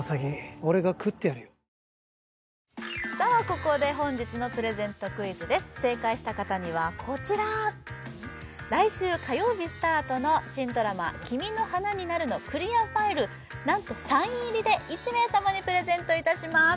ここで本日のプレゼントクイズです正解した方にはこちら来週火曜日スタートの新ドラマ「君の花になる」のクリアファイルなんとサイン入りで１名様にプレゼントいたします